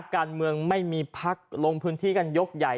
การเมืองไม่มีพักลงพื้นที่กันยกใหญ่